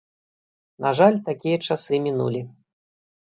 На жаль, такія часы мінулі.